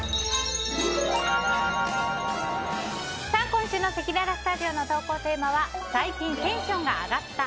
今週のせきららスタジオの投稿テーマは最近テンションが上がった＆